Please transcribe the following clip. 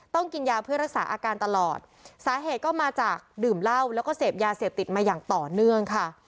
กินยาเพื่อรักษาอาการตลอดสาเหตุก็มาจากดื่มเหล้าแล้วก็เสพยาเสพติดมาอย่างต่อเนื่องค่ะ